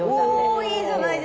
おいいじゃないですか。